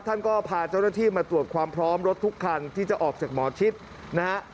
ท่านก็พาเจ้าหน้าที่มาตรวจความพร้อมรถทุกคันที่จะออกจากหมอชิดนะฮะ